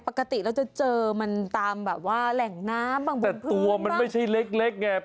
ปกติเราจะเจอมันตามแบบว่าแหล่งน้ำบางบ